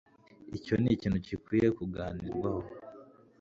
Icyo nikintu gikwiye kuganirwaho